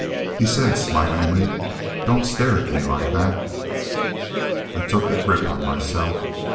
He said smilingly, "Don't stare at me like that." I took a grip on myself.